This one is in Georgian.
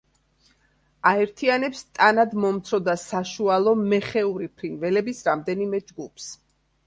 აერთიანებს ტანად მომცრო და საშუალო მეხეური ფრინველების რამდენიმე ჯგუფს.